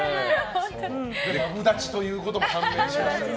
マブダチということも判明しましたからね。